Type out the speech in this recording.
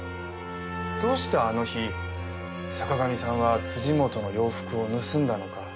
どうしてあの日坂上さんは本の洋服を盗んだのか。